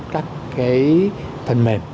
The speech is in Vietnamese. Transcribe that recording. các cái phần mềm